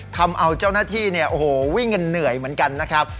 ทำเอาเจ้าหน้าที่เนี่ยโอ้โหวิ่งกันเหนื่อยเหมือนกันนะครับ